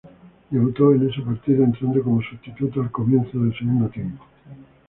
Debutó en ese partido, entrando como sustituto al comienzo del segundo tiempo.